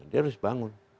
dia harus bangun